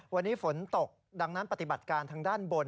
วันนี้ฝนตกดังนั้นปฏิบัติการทางด้านบน